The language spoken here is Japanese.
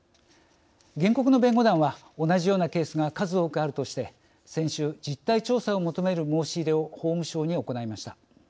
原告の弁護団は同じようなケースが数多くあるとして、先週実態調査を求める申し入れを法務省に行いました。